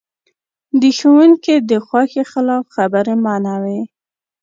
د ښوونکي د خوښې خلاف خبرې منع وې.